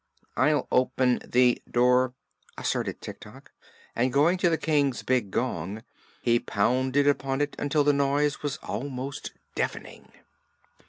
"I'll o pen the door," asserted Tik Tok, and going to the King's big gong he pounded upon it until the noise was almost deafening.